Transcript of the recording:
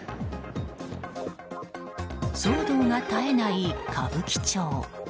騒動が絶えない歌舞伎町。